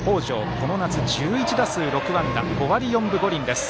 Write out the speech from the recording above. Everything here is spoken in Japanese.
この夏、１１打数６安打５割４分５厘です。